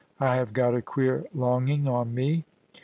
... I have got a queer longing on me.